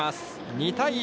２対１。